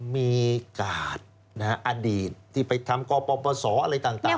มีกาดอดีตที่ไปทำกปศอะไรต่าง